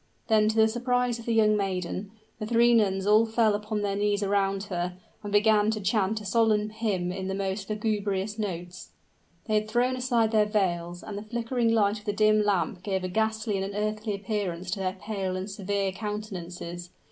Then, to the surprise of the young maiden, the three nuns all fell upon their knees around her, and began to chant a solemn hymn in most lugubrious notes. They had thrown aside their veils, and the flickering light of the dim lamp gave a ghastly and unearthly appearance to their pale and severe countenances.